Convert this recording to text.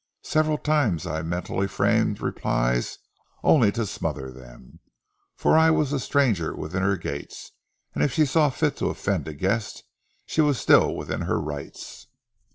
Several times I mentally framed replies only to smother them, for I was the stranger within her gates, and if she saw fit to offend a guest she was still within her rights.